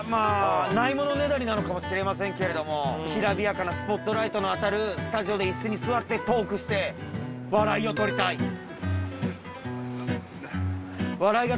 ないものねだりなのかもしれませんけれどもきらびやかなスポットライトの当たるスタジオで椅子に座ってトークして笑いを取りたい。